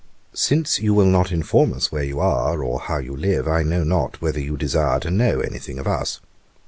'Since you will not inform us where you are, or how you live, I know not whether you desire to know any thing of us.